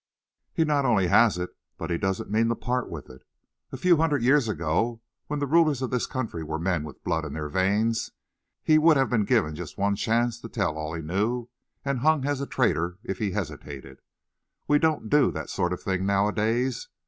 "He not only has it, but he doesn't mean to part with it. A few hundred years ago, when the rulers of this country were men with blood in their veins, he'd have been given just one chance to tell all he knew, and hung as a traitor if he hesitated. We don't do that sort of thing nowadays.